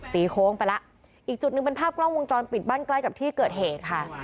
โค้งไปแล้วอีกจุดหนึ่งเป็นภาพกล้องวงจรปิดบ้านใกล้กับที่เกิดเหตุค่ะ